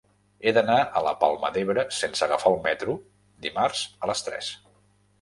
He d'anar a la Palma d'Ebre sense agafar el metro dimarts a les tres.